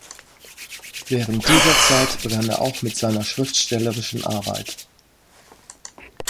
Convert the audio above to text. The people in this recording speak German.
Während dieser Zeit begann er auch mit seiner schriftstellerischen Arbeit.